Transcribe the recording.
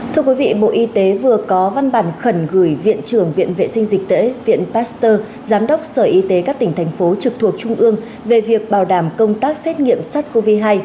thưa quý vị bộ y tế vừa có văn bản khẩn gửi viện trưởng viện vệ sinh dịch tễ viện pasteur giám đốc sở y tế các tỉnh thành phố trực thuộc trung ương về việc bảo đảm công tác xét nghiệm sars cov hai